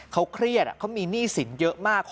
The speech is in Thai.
เขาเครียดเขามีหนี้สินเยอะมาก